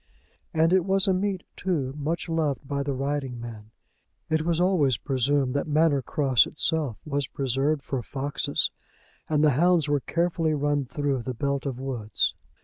And it was a meet, too, much loved by the riding men. It was always presumed that Manor Cross itself was preserved for foxes, and the hounds were carefully run through the belt of woods.